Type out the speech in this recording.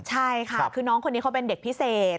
ใช่ค่ะคือน้องคนนี้เขาเป็นเด็กพิเศษ